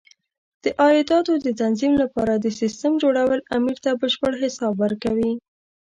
د عایداتو د تنظیم لپاره د سیسټم جوړول امیر ته بشپړ حساب ورکوي.